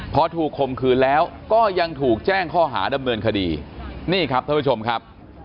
พอถูกคมคืนแล้วก็ยังถูกแจ้งข้อหาดำเนินคดีนี่ครับท่านผู้ชมครับ